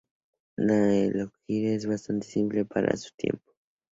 La alegoría es bastante simple para su tiempo.